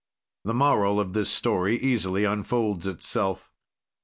"The moral of this story easily unfolds itself.